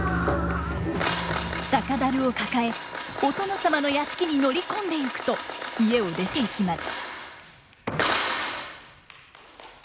酒樽を抱えお殿様の屋敷に乗り込んでゆくと家を出ていきます。